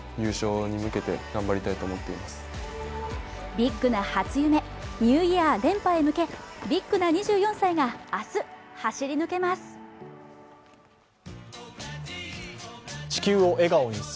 ビッグな初夢、ニューイヤー連覇へ向けビッグな２４歳が明日、走り抜けます。